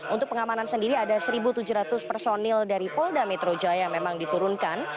untuk pengamanan sendiri ada satu tujuh ratus personil dari polda metro jaya memang diturunkan